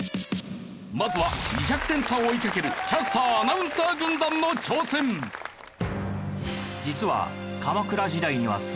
まずは２００点差を追いかけるキャスター・アナウンサー軍団の挑戦。を選べ。